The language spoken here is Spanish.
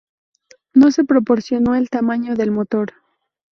No se proporcionó el tamaño del motor.